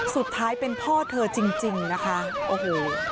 สุดท้ายเป็นพ่อเธอจริงนะคะโอ้โห